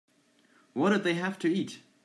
What did they have to eat?